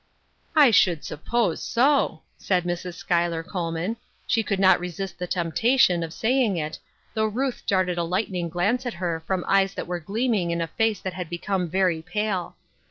" I should suppose so," said Mrs. Schuyler Col man. She could not resist the temptation of 1 i4 Muth Erskines Crosses. saying it, though Ruth darted a lightning glance at her from eyes that were gleaming in a face that had become very pale.